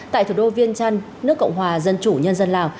tại thủ đô viên trăn nước cộng hòa dân chủ nhân dân lào